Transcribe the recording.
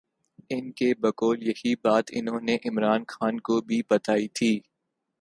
ان کے بقول یہی بات انہوں نے عمران خان کو بھی بتائی تھی۔